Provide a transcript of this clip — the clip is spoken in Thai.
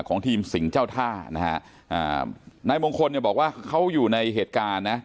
ของทีมสิงห์เจ้าท่านะฮะอ่านายมงคลเนี่ยบอกว่าเขาอยู่ในเหตุการณ์นะ